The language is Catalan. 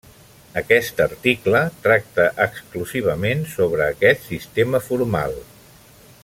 Aquest article tracta exclusivament sobre aquest sistema formal.